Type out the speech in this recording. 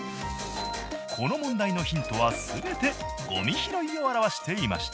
この問題のヒントは全てゴミ拾いを表していました。